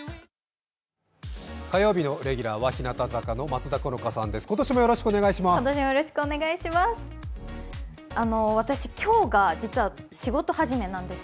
火曜日のレギュラーは日向坂の松田好花さんです。